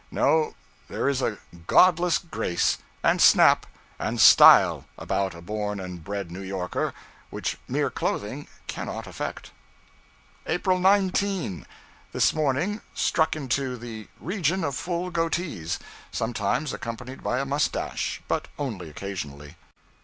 No, there is a godless grace, and snap, and style about a born and bred New Yorker which mere clothing cannot effect. 'APRIL 19. This morning, struck into the region of full goatees sometimes accompanied by a mustache, but only occasionally.'